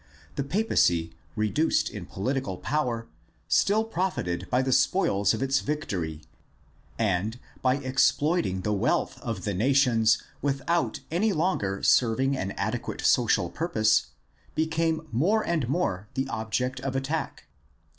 The papacy, reduced in political power, still profited by the spoils of its victory, and, by exploiting the wealth of the nations without any longer serving an adequate social DEVELOPMENT OF THE CATHOLIC CHURCH 351 purpose, became more and more the object of attack.